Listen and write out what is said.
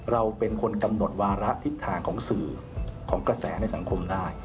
เราเป็นคนกำหนดวาระทิศทางของสื่อของกระแสในสังคมได้